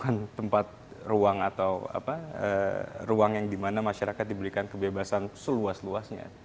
online itu bukan tempat ruang atau ruang yang dimana masyarakat diberikan kebebasan seluas luasnya